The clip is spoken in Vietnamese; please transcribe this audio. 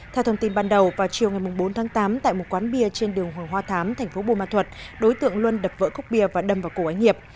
theo thông tin ban đầu vào chiều ngày bốn tháng tám tại một quán bia trên đường hoàng hoa thám thành phố bùa ma thuật đối tượng luân đập vỡ khúc bia và đâm vào cổ ánh hiệp